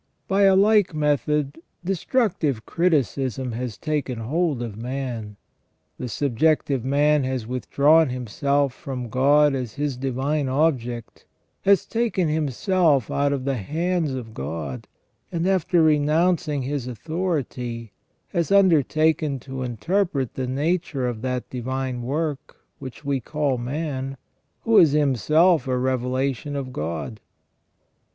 By a like method destructive criticism has taken hold of man. The subjective man has withdrawn himself from God as his divine object, has taken himself out of the hands of God, and after renouncing His authority, has undertaken to interpret the 8 ON THE NATURE OF MAN. nature of that divine work which we call man, who is himself a revelation of *God.